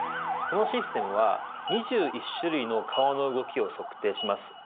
このシステムは２１種類の顔の動きを測定します。